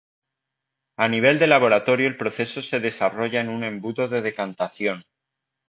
A nivel de laboratorio el proceso se desarrolla en un embudo de decantación.